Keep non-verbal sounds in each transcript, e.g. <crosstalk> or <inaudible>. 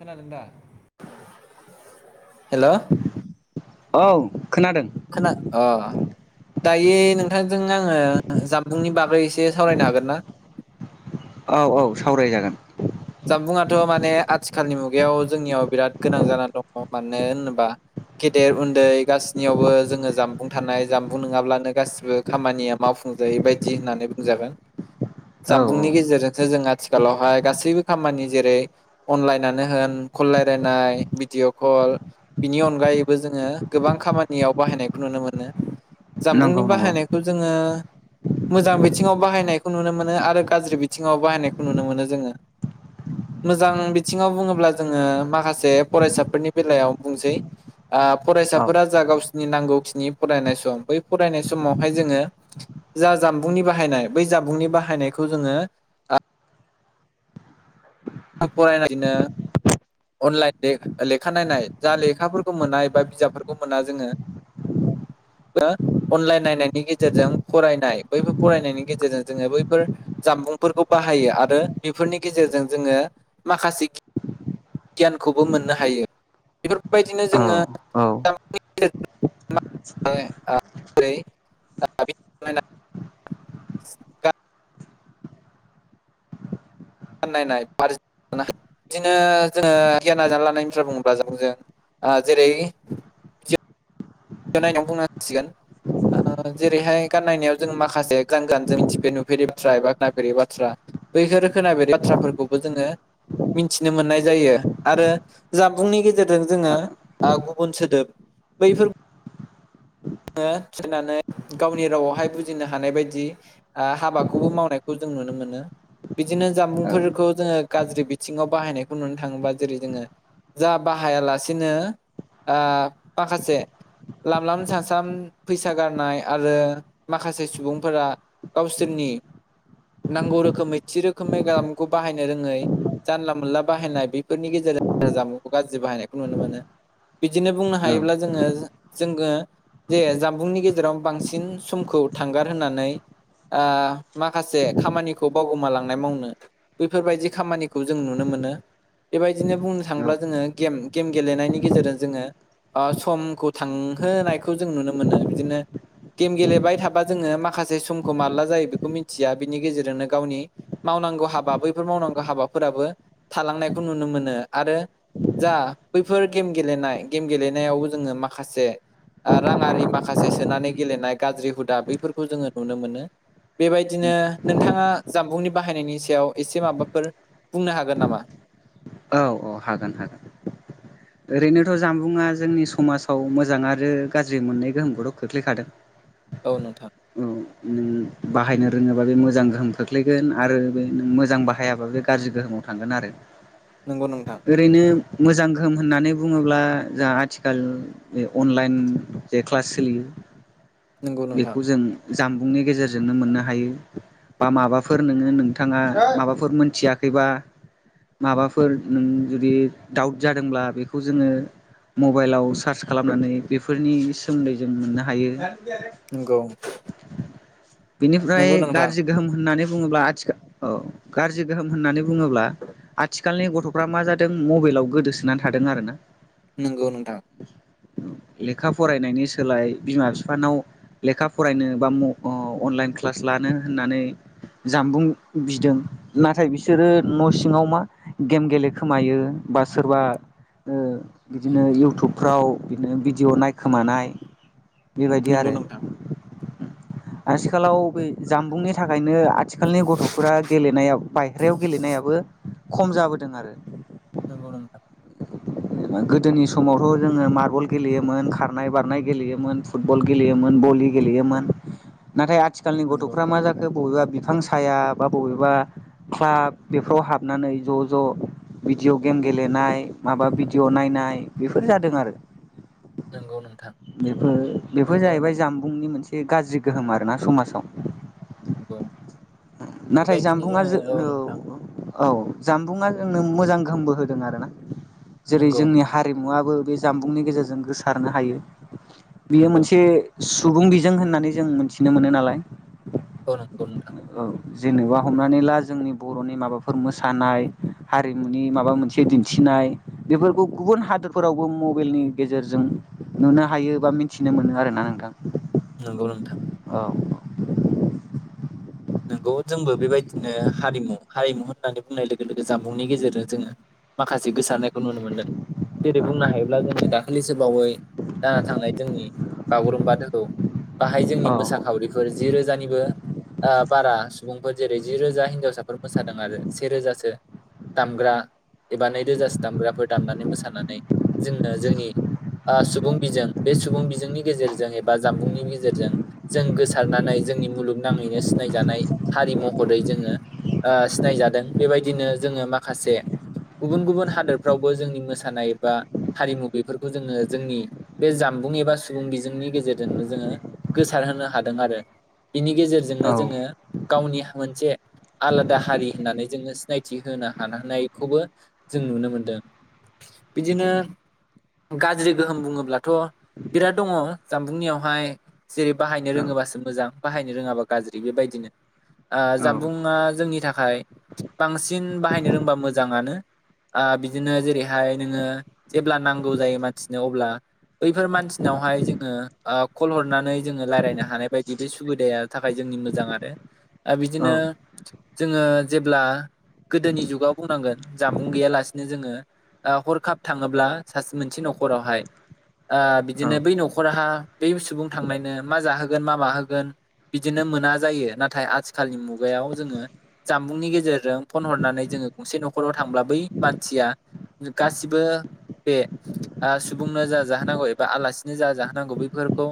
<inaudible> हेल' औ खोनादों खोना अ दायो नोंथांजों आङो जामबुंनि बागै एसे सावरायनो हागोन ना? औ औ सावरायजागोन। जामबुंआथ' माने आथिखालनि मुगायाव जोंनियाव बिराद गोनां जानानानै दङ मानो होनोबा गेदेर उन्दै गाससिनियावबो जोङो जामबुं थानाय जामबुं नङाब्लानो गासिबो खामानिया मावफुं बफुं जायै बायदि होननानै बुंजागोन। औ जानबुंनि गेजेरजोंसो जों आथिखालावहाय गासैबो खामानि जेरै अनलाइनानो होन कल रायलायनाय भिडिअ' कल बिनि अनगायैबो जोङो गोबां खामानियाव बाहायनायखौ नुनो मोनो नंगौ जामबुंनि नंगौ बाहायनायखौ जोङो मोजां बिथिङाव बाहायनायखौ नुनो मोनो आरो गाज्रि बिथिङाव बाहायनायखौ नुनो मोनो जोङो। मोजां बिथिङाव बुङोब्ला जोङो माखासे फरायसाफोरनि बेलायाव बुंसै ओ औ फरायसाफोरा जा गावसिनि नांगौखिनि फरायनाय सम बै फरायनाय समावहाय जोङो जा जामबुंनि बाहायनाय बै जामबुंनि बाहायनायखौ जोङो <unintelligible> अनलाइन ले-लेखा नायनाय जा लेखाफोरखौ मोननाय बा बिजाबफोरखौ मोना जोङो उम ओ अनलाइन नायनायनि गेजेरजों फरायनाय बैफोर फरायनायनि गेजेरजों जोङो बैफोर जाम बुंफोरखौ बाहायो आरो बेफोरनि गेजेरजों जोङो माखासे गियानखौबो मोननो हायो बेफोरबायदिनो औ जोङोे जेर <inaudible> <unintelligible> <inaudible> नायनाय <inaudible> बिदिनो जोङो गियान आरजिना लानाय बुङोब्ला जों जों ओ जेरै नायनानै बुंनांसिगोन जेरैहाय गान नायनायाव जोंङो माखासे गान गानजों मिथिफ नु फेरै बाथ्रा एबा खोननायफेरै बाथ्रा बैफोर खोनाफेरै बाथ्राफोरखौबो जोङो मिथिनो मोननाय जायो आरो जामबुंनि गेजेरजों औ जोङो ओ गुबुन सोदोब बैफोर जोङो थैनानै गावनि रावावहाय बुजिनो हानाय बायदि हाबाखौबो मावनायखौ जों नुनो मोनो बिदिनो जामबुंफोरखौ जोङो गाज्रि बिथिङाव बाहायनायखौ नुनो थाङोबा जेरै जोङो जा बाहायालासिनो ओ माखासे लामलाम साम साम फैसा गारनाय आरो माखासे सुबुंफोरा गावसोरनि नांगौ रोखोमै थि रोखोमै गामखौ बाहायनो रोङै जानला मोनला बाहायनाय बेफोरनि गेजेराव रो जामबुंखौ गाज्रि बाहायनायखौ नुनो मोनो बिदिनो बुंनो हायोब्ला जोङो जोङो जे जामबुंनि गेजेराव बांसिन समखौ थांगार होननानै ओ माखासे खामानिखौ बावगोमालांनाय मावनो बेैफोरबायदि खामानिखौ जों नुनो मोनो मोनो बेबायदिनो बुंनो औ थाङोब्ला जोङो गेम गेम गेलेनायनि गेजेरजों जोङो ओ समखौ थांहोनायखौ जों नुनो मोनो बिदिनो गेम गेलेबाय थाबा जोङो माखासे समखौ माब्ला जायो बेखौ मिथिया बिनि गेजेरजोंनो गावनि माव मावनांगौ हाबा बैफोर मावनांगौ हाबाफोराबो थालांनायखौ नुनो मोनो आरो जा बैफोर गेम गेलेनाय गेम गेलेनायावबो जोङो माखासे ओ राङारि माखासे सोनानै गेलेनाय गाज्रि हुदा बैफोरखौ जोङो नुनो मोनो बेबायदिनो नोंथाङा जामबुंनि बाहायनायनि सायाव एसे माबाफोर बुंनो हागोन नामा औ औ हागोन हागोन ओरैनोथ' जामबुंङा जोंनि समाजाव मोजां आरो गाज्रि मोननै गोहोमखौथ' खोख्लैखादों औ नोंथां औ नों बाहायनो रोङोबा बे मोजां गोहोम खोख्लैगोन आरो बे मोजां बाहायाबा बे गाज्रि गोहोमाव थांगोन आरो नंगौ नोंथां ओरैनो मोजां गोहोम होननानै बुङोब्ला जाहा आथिखाल बे अनलाइन जे क्लास सोलियो नंगौ नोंथां जानबुंनि गेजेरजों जोंनो मोननो हायो बा माबाफोर नोङो नोंथाङा माबाफोर मोनथियाखैबा माबाफोर नों जुदि दाउट जादोंब्ला बेखौ जोङो मबाइलाव सार्च खालामनानै बेफोरनि सोमोन्दै जों मोननो हायो नंगौ बिनिफ्राय नंगौ नोंथां गाज्रि गोहोम होननानै बुङोब्ला आथिखाल औ गाज्रि गोहोम होननानै बुङोब्ला आथिखालनि गथ'फ्रा मा जादों मबाइलाव गोदोसोनानै थादों आरोना नंगौ नोंथां लेखा फरायनायनि सोलाय बिमा बिफानाव लेखा फरायनो बा म अ अनलाइन क्लास लानो होननानै जामबुं बिदों नाथाय बिसोरो न' सिङाव मा गेम गेलेखोमायो बा सोरबा ओ बिदिनो इउटुबफ्राव बिदिनो भिडिअ नायखोमानाय बेबायदि नंगौ आरो नोंथां आथिखालाव बे जामबुंनि थाखायनो आथिखालनि गथ'फोरा गेलेनाया बायह्रायाव गेलेनायाबो खम जाबोदों आरो नोंगौ नोंथां गोदोनि समावथ' जोङो मार्बल गेलेयोमोन खारनाय बारनाय गेलेयोमोन फुटबल गेलेयोमोन भलि गेलेयोन नाथाय आथिखालनि नंगौ गथ'फ्रा मा जाखो बबेबा बिफां साया बा बबेबा क्लाब बेफोराव हाबनानै ज' ज' भिडिअ' गेम गेलेनाय माबा भिडिअ' नायनाय बेफोर जादों आरो। नंगौ नोंथां बेफोर बेफोर नंगौ जाहैबाय जामबुंनि मोनसे गाज्रि गोहोम आरोना समाजाव नंगौ। उम नाथाय बेबायदिनो जानबुंआ जो जोङो नोंथां औ औ जामबुंङा जोंनो मोजां गोहोमबो होदों आरोना जेरै नंगौ जोंनि हारिमुवाबबो बे जामबुंनि गेजेरजों गोसारनो हायो बियो नंगौ मोनसे सुबुं बिजों होननानै जों मिथिनो मोनो नालाय औ नंगौ नोथां। औ जेनेबा हमनानै ला जोंनि बर'नि माबाफोर मोसानाय हारिमुनि माबा मोनसे दिन्थि नाय बेफोरखौ गुबुन हादोरफोरावबो मबाइलनि गेजेरजों नुनो हायो बा मिथिनो मोनो। नो आरो ना नोंथां। नंगौ नोंथां औ औ नोंगौ जोंबो बेबायदिनो हारिमु हारिमु होननानै बुंनाय लोगो लोगो जामबुंनि गेजेरजों जोङो माखासे गोसारनायखौ नुनो मोन्दों जेरै बुंनो हायोब्ला जोङो दाखालिसो बावै जाना थांनाय जोंनि बागुरुम्बा दोहौव बाहाय जोंनि औ औ मोसाखावरिफोर जि रोजानिबो ओ बारा सुबुंफोर जेरै जि रोजा हिनजावसाफोर मोसादों आरो सेेरोजासो दामग्रा एबा नैरोजाासो दामग्राफोर दामनानै मोसानानै जोंनो जोंनि ओ सुबुं बिजों बे सुबुं बिजोंनि गेजेरजों एबा जानबुंनि गेजेरजों जों गोसारनानै जोंनि मुलुगनाङैनो सिनायजानाय हारि महरै जोङो ओ सिनायजादों बेबायदिनो जोङो माखासे गुबुन गुबुन हादोरफ्रावबो जोंनि मोसानाय बा हारिमु बेफोरखौ जोङो जोंनि बे जा सुबुं एबा सुबुं बिजोंनि गेजेरजोंनो जोङो गोसार होनो हादों आरो बिनि गेजेरजोंनो औ जोङो गावनि मोनसे आलादा हारि होननानै जोङो सिनायथि होनो हानो हानायखौबो जों नुनो मोनदों। बिदिनो गाज्रि गोहोम बुङोब्लाथ' बिराद दङ जामबुंनियावहाय जेरै बाहायनो रोङोबासो मोजां बाहायनो रोङाबा गाज्रि बेबायदिनो ओ जामबुंआ जोंनि थाखाय बांसिन बाहायनो रोंबा मोजांङानो ओ बिदिनो जेरैहाय नोङो जेब्ला नांगौ जायो मानसिनो अब्ला बैफोर मानसिनावहाय जोङो ओ कल हरनानै जोङो रायलायनो हानाय बायदि बे सुबिदाया थाखाय जोंनि मोजां आरो आरो ओ औ बिदिनो जोङो जेब्ला। गोदोनि जुगाव बुंनांगोन जानबुं गैयालासिनो जोङो ओ हरखाब थाङोब्ला सास मोनसे न'खरावहाय ओ बिदिनो औ बै न'खरहा बै सुबुं थांनायनो मा जाहोगोन मा माहोगोन बिदिनो मोना जायो नाथाय आथिखालनि मुगायाव जोङो जामबुंनि गेजेरजों फन हरनानै जोङो गंसे न'खराव थांब्ला बै मानसिया गासिबो बे ओ सुबुंनो जा जाहोनांगौ एबा आलासिनो जा जाहोनांगौ बैफोरखौ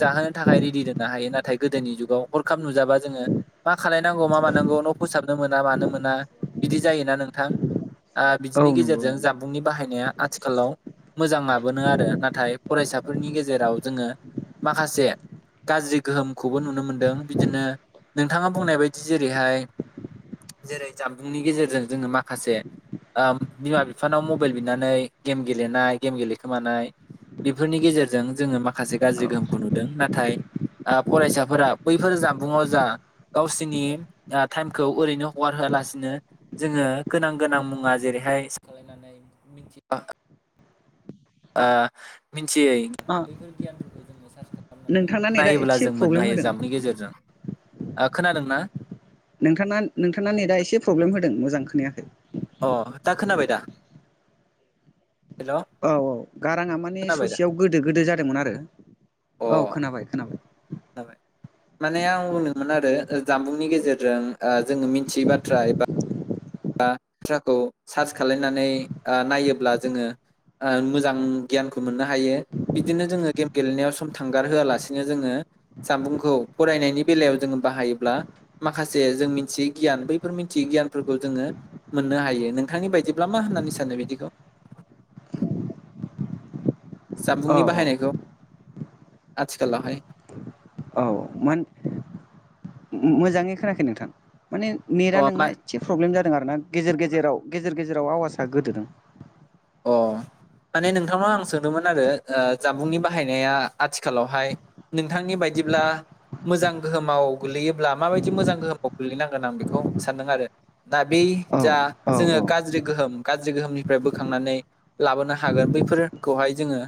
जाहोनो थाखाय रेडि दोननो हायो नाथाय गोदोनि जुग हरखाब नुजाबा जोङो मा खालायनांगौ मा मानांगौ न' फोसाबनो मोना मानो मोना बिदि जायो। नोंथां ओ बिदिनि औ नंगौ गेजेरजों नंगौ जामबुंनि बाहायनाया आथिखालाव मोजां आबोनो आरो नाथाय फरायसाफोरनि गेजेराव जोङो माखासे गाज्रि गोहोमखौबो नुनो मोन दों बिदिनो नोंथाङा बुंनाय बायदि जेरैहाय जेरै जामबुंनि गेजेरजों जोङो माखासे ओम बिमा बिफानाव मबेल बिनानै गेम गेलेनाय गेम गेलेखोमानाय बेफोरनि गेजेरजों जोङो माखासे गाज्रि गोहोमखौ नुदों नाथाय ओ फरायसाफोरा बैफोर जामबुंङाव जा गावसिनि ओ टाइमखौ ओरैनो हगार होआलासिनो जोङो गोनां गोनां मुङा जेरै <inaudible> ओ मिथियै औ बैफोर गियानफोरखौ जोङो सारस नोंथांना खालामनानै नेटआ नायोब्ला एसे जों मोननो प्रब्लेम हायो होदों जामनि गेजेरजों ओ खोनादोंना नोंथाना नोंथाना नेटआ एसे प्रब्लेम होदों मोजां खोनायाखै अह दा खोनाबायदा हेल' औ औ गाराङा माने खोनाबाय दा ससेयाव गोदो गोदो जादोंमोन आरो औ खोनाबाय खोनाबाय। माने आं बुंदोंमोन आरो जामबुंनि गेजेरजों ओ जोङो मिथियै बाथ्रा एबा बा थ्राखौ सार्च खालायनानै ओ नायोब्ला जोङो ओ मोजां गियानखौ मोननो हायो बिदिनो जोङो गेम गेलेनायाव सम थांगार होआलासिनो जोङो जामबुंखौ फरायनायनि बेलायाव जोङो बाहायोब्ला माखासे जों मिथियै गियान बैफोर मिथियै गियानफोरखौ जोङो मोननो हायो नोंथांनि बायदिब्ला मा होननानै सानो बिदिखौ <inaudible> औ जामबुंनि बाहायनायखौ औ आथिखालावहाय अह मोन मोजाङै खोनायाखै नोंथां माने नेटआ अ मा नोंना एडसे प्रब्लेम जादों आरो ना गेजेर गेजेराव गेजेर गेजेराव आवाजा गोदोदों अह माने नोंथांनाव आं सोंदोंमोन आरो ओ जामबुंनि बाहायनाया आथिखालावहाय नोंथांनि बाय दिब्ला मोजां गोहोमाव गोलैयोब्ला माबायदि मोजां गोहोमाव गोलैनांगोन आं बेखौ सानदों आरो दा बे औ जा औ जोङो गाज्रि गोनिफ्राय खांनानै लाबोनो हागोन बैफोरखौहाय जोङो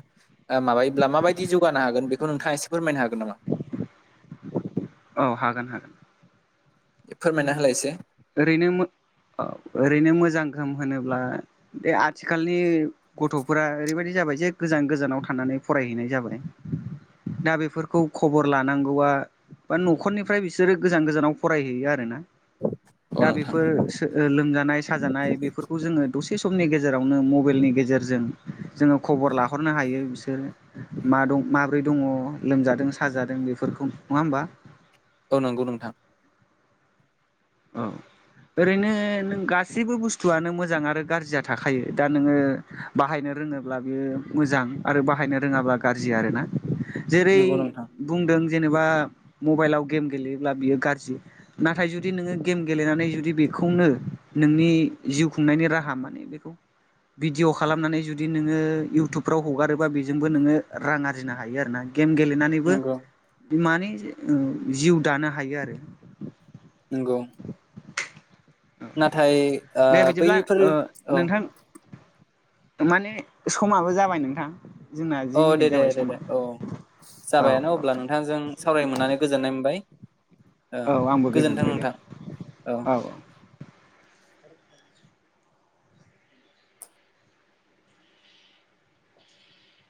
ओ माबायोब्ला माबायदि जौगानो हागोन बेखौ नोंथाङा एसे फोरमायनो हागोन नामा औ हागोन हागोन फोरमायना होलाय एसे ओरैनो मो औ ओरैनो मोजां गोहोम होनोब्ला बे आथिखालनि गथ'फोरा ओरैबायदि जा बाय जे गोजान गोजानाव थानानै फरायहैनाय जाबाय दा बेफोरखौ खबर लानांगौआ बा न'खरनिफ्राय बिसोरो गोजान गोजानाव फरायहैयो आरो ना औ दा नोंथां बेफोर लोमजानाय साजानाय बेफोरखौ जोङो दसे दसे समनि गेजेरावनो मबाइलनि गेजेरजों जोङो खबर लाहरनो हायो बिसोरो मा माब्रै दङ लोमजादों साजादों बेफोरखौ नङा होमबा औ नंगौ नोंथां औ ओरैनो नों गासैबो बुस्थुआनो मोजां आरो गाज्रिया थाखायो दा नोङो बाहायनो रोङोब्ला बेयो मोजां आरो बाहायनो रोङाब्ला गाज्रि आरोना जेरै नंगौ नोंथां बुंदों जेनेबा मबाइलाव गेम गेलेयोब्ला बियो गाज्रि ना जुदि नोङो गेम गेलेनानै जुदि बेखौनो नोंनि जिउ खुंनायनि राहा माने बेखौ भिडिअ' खालामनानै जुदि नोङो इउटुबफ्राव हगारोबा बेजोंबो नोङो रां आरजिनो हायो आरोना गेम गेलेनानैबो नंगौ बिमानि जिउ दानो हायो आरो नोंगौ नाथाय ओ दे बिदिब्ला बैफोर ओ औ नोंथां माने समाबो जाबाय नोंथां। जोंना औ जि दे मिनिट दे जाबाय दे समा दे औ औ जाबायानो औ अब्ला नोंथांजों सावराय मोननानै गोजोननाय मोनबाय। ओ औ आंबो गोजोन गोजोन्थों बाय दे नोंथां औ औ